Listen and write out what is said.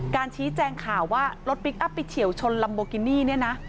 ชี้แจงข่าวว่ารถพลิกอัพไปเฉียวชนลัมโบกินี่เนี่ยนะ